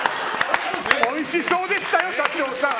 おいしそうでしたよ、社長さん。